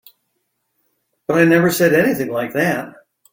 But I never said anything like that.